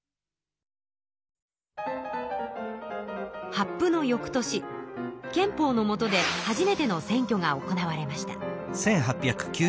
発布のよくとし憲法のもとで初めての選挙が行われました。